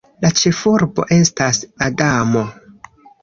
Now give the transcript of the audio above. La ĉefurbo estas Adamo.